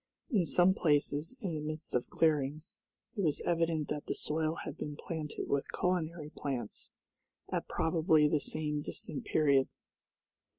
In some places, in the midst of clearings, it was evident that the soil had been planted with culinary plants, at probably the same distant period.